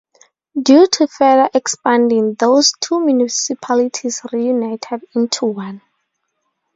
Due to further expanding, those two municipalities reunited into one.